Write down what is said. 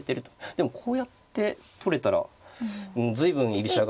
でもこうやって取れたら随分居飛車が。